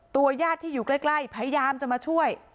ญาติที่อยู่ใกล้พยายามจะมาช่วย